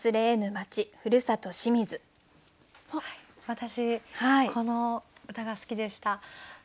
私この歌が好きでした。